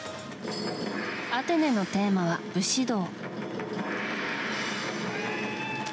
アテネのテーマは武士道。